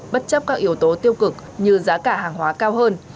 bất chấp các yếu tố tiêu cực như giá cả hàng hóa cao hơn